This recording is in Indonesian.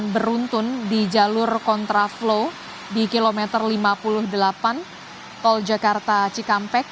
beruntun di jalur kontraflow di kilometer lima puluh delapan tol jakarta cikampek